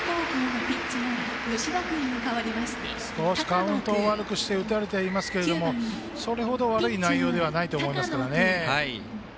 少しカウントを悪くして打たれてはいますがそれほど悪い内容ではないと思いますからね。